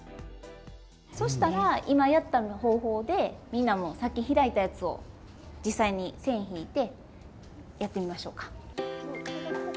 そしたら今やった方法でみんなもさっき開いたやつを実際に線引いてやってみましょうか。